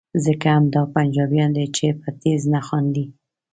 ځکه همدا پنجابیان دي چې په ټیز نه خاندي.